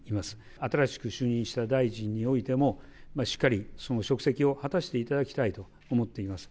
新しく就任した大臣においても、しっかり、その職責を果たしていただきたいと思っています。